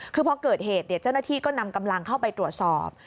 คือพอเกิดเหตุเจ้าหน้าที่ก็นำกำลังเข้าไปตรวจสอบ